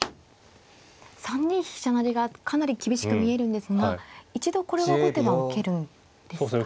３二飛車成がかなり厳しく見えるんですが一度これは後手は受けるんですか。